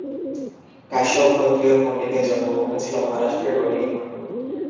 কাশ্যপ গোত্রীয় পন্ডিতের জন্মভূমি ছিল মহারাষ্ট্রের রোহিনীখন্ড।